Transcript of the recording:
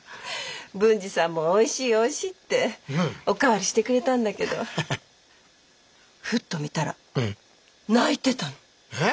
文治さんも「おいしいおいしい」ってお代わりしてくれたんだけどふっと見たら泣いてたの。え？